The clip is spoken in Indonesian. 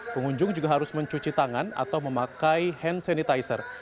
pengunjung juga harus mencuci tangan atau memakai hand sanitizer